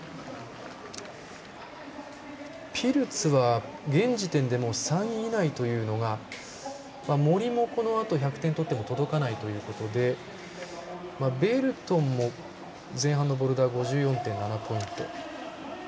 ピルツは現時点で３位以内というのが森も、このあと１００点取っても届かないということでベルトンも前半のボルダーは５４．７ポイント。